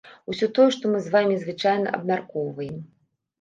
Усё тое, што мы з вамі звычайна абмяркоўваем.